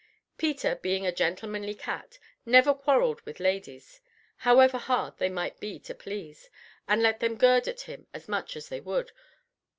Peter, being a gentlemanly cat, never quarrelled with ladies, however hard they might be to please, and let them gird at him as they would.